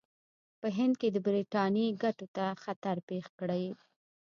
په هند کې د برټانیې ګټو ته خطر پېښ کړي.